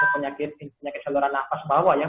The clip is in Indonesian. penyakit selera nafas bawah ya